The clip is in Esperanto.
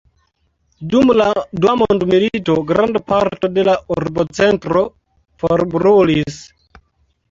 Dum la dua mondmilito granda parto de la urbocentro forbrulis.